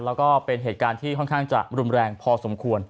แล้วก็เป็นเหตุการณ์ที่ค่อนข้างจะรุนแรงพอสมควร